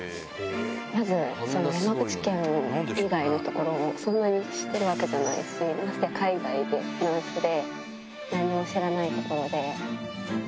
まず、その山口県以外の所を、そんなに知ってるわけじゃないし、まして海外で、フランスで、何も知らない所で。